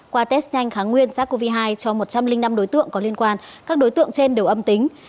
qua test nhanh kháng nguyên sars cov hai cho một trăm linh năm đối tượng có liên quan các đối tượng trên đều âm tính